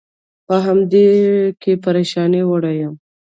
په همدې کې پرېشانۍ وړی یم.